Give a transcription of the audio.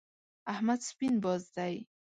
احمد سپين باز دی.